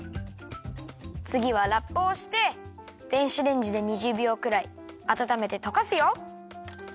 つぎはラップをして電子レンジで２０びょうくらいあたためてとかすよ！